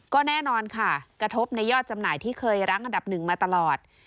ก็แน่นอนค่ะกระทบในยอดจำหน่ายที่เคยรั้งอันดับหนึ่งมาตลอด